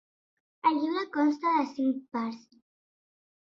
El llibre consta de cinc parts.